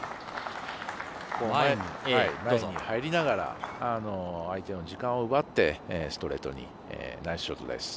前に入りながら相手の時間を奪ってストレートにナイスショットです。